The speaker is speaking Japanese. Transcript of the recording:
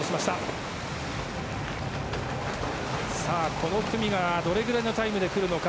この組がどれぐらいのタイムでくるのか。